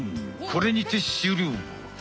これにて終了！